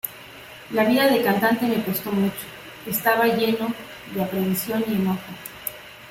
La vida de cantante me costó mucho; estaba lleno de aprensión y enojo.